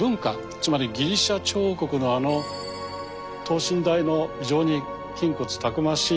つまりギリシャ彫刻のあの等身大の非常に筋骨たくましい。